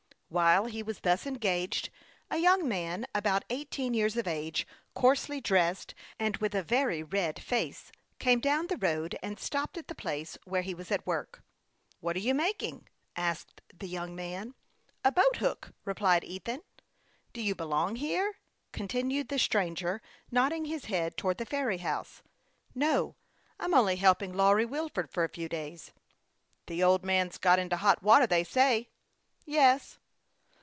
While he was thus engaged, a young man, about eighteen years of age, coarsely dressed, and with a very red face, came down the road and stopped at the place where he was at work. " What you making ?" asked the young man. " A boat hook," replied Ethan. " Do you belong here ?" continued the stranger, nodding his head towards the ferry house. " No ; I'm only helping Lawry Wilford for a few days." "The old man's got into hot water, they say." " Yes."